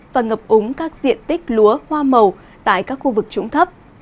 và ngập úng các diện tích lúa hoa màu tại các khu vực trũng thấp